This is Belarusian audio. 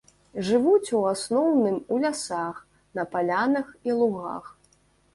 Жывуць у асноўным у лясах, на палянах і лугах.